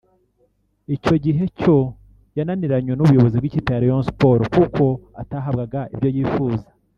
Icyo gihe cyo yananiranywe n’ubuyobozi bw’ikipe ya Rayon Sport kuko atahabwaga ibyo yifuza